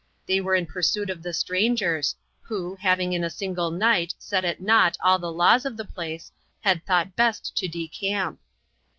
They were in pursuit of the strangers, who, having in a single night set at nought all the laws of the place, had thought best to decamp.